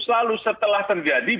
selalu setelah terjadi